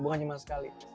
bukan cuma sekali